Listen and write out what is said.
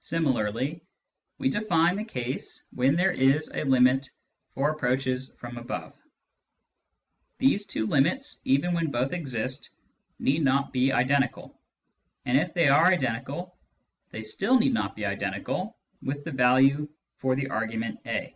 Similarly we define the case when there is a limit for approaches from above. These two limits, even when both exist, need not be identical ; and if they are identical, they still need not be identical with the value for the argument a.